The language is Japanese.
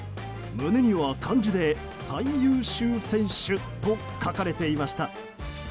胸には漢字で「最優秀選手」と書かれていました。